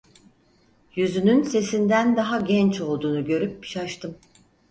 Yüzünün sesinden daha genç olduğunu görüp şaştım.